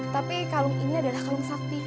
tapi kalung ini adalah kalung sakti